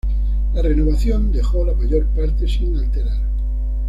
La renovación dejó la mayor parte sin alterar.